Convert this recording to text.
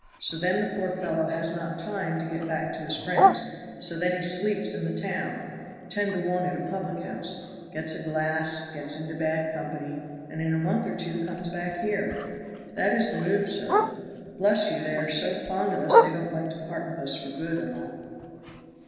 So then the poor fellow has not time to get back to his friends, so then he sleeps in the town, ten to one at a public house; gets a glass, gets into bad company, and in a month or two comes back here. That is the move, sir. Bless you, they are so fond of us they don't like to part with us for good and all."